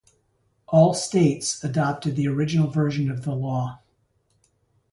All states adopted the original version of the law.